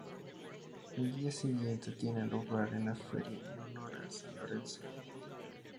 El día siguiente tiene lugar la feria en honor a San Lorenzo.